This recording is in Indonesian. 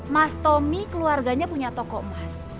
mas tommy keluarganya punya toko emas